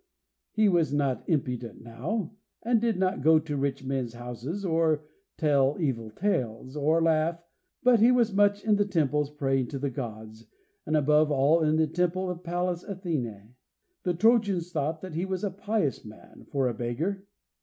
He was not impudent now, and did not go to rich men's houses or tell evil tales, or laugh, but he was much in the temples, praying to the Gods, and above all in the temple of Pallas Athene. The Trojans thought that he was a pious man for a beggar.